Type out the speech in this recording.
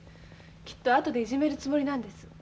きっとあとでいじめるつもりなんです。